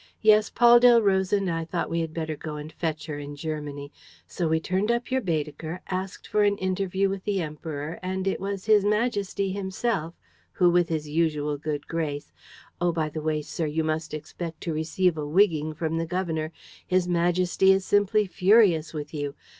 Yes, Paul Delroze and I thought we had better go and fetch her in Germany. So we turned up our Baedeker, asked for an interview with the Emperor and it was His Majesty himself who, with his usual good grace. ... Oh, by the way, sir, you must expect to receive a wigging from the governor! His Majesty is simply furious with you.